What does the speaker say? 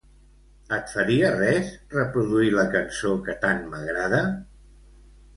Et faria res reproduir la cançó que tant m'agrada?